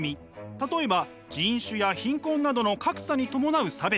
例えば人種や貧困などの格差に伴う差別。